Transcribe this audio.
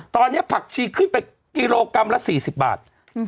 ตอนนี้ผักชีขึ้นไปกิโลกรัมละ๔๐บาท